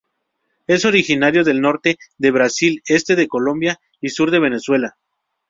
Es originario del norte de Brasil, este de Colombia y sur de Venezuela.